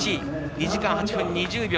２時間８分２０秒。